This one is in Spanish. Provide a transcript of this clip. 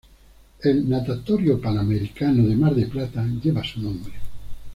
El Natatorio Panamericano de Mar del Plata lleva su nombre.